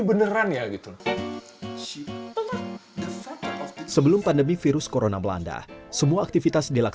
mengu manipulated suatu cabaran dissolve"